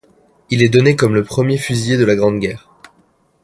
Il est donné comme le premier fusillé de la Grande Guerre.